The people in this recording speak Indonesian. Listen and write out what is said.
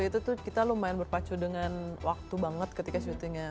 itu tuh kita lumayan berpacu dengan waktu banget ketika syutingnya